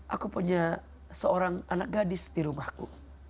aku punya seorang anak gadis di rumahku